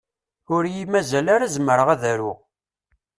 Ur yi-mazal ara zemreɣ ad aruɣ.